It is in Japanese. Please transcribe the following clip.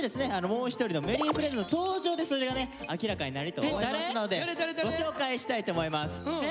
もう一人のＭｅｒｒｙｆｒｉｅｎｄｓの登場でそれがね明らかになると思いますのでご紹介したいと思います。